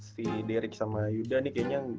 si derik sama yuda nih kayaknya